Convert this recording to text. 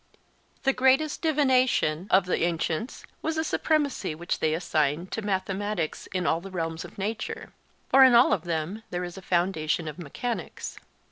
The greatest 'divination' of the ancients was the supremacy which they assigned to mathematics in all the realms of nature; for in all of them there is a foundation of mechanics.